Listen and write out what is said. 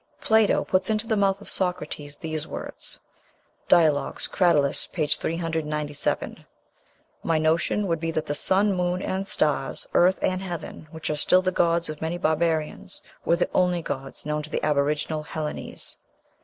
Plato puts into the mouth of Socrates these words ("Dialogues, Cratylus," p. 397): "My notion would be that the sun, moon, and stars, earth, and heaven, which are still the gods of many barbarians, were the only gods known to the aboriginal Hellenes....